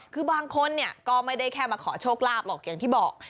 คือบางคนเนี่ยก็ไม่ได้แค่มาขอโชคลาภหรอกอย่างที่บอก